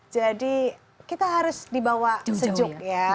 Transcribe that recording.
jadi kita harus dibawa sejuk ya